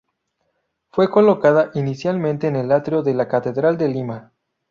Fue colocada inicialmente en el atrio de la Catedral de Lima.